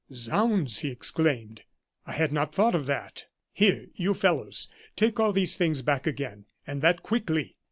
"Zounds!" he exclaimed. "I had not thought of that. Here, you fellows, take all these things back again, and that quickly!"